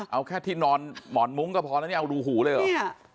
เอาแค่ที่นอนหมอนมุ้งก็พอแล้วเนี่ยเอารูหูเลยเหรอ